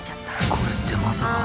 これってまさか。